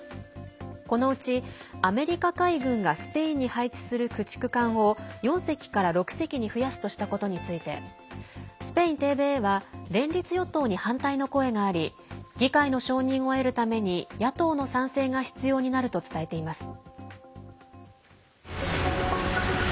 このうち、アメリカ海軍がスペインに配置する駆逐艦を４隻から６隻に増やすとしたことについてスペインＴＶＥは連立与党に反対の声があり議会の承認を得るために野党の賛成が必要になると伝えています。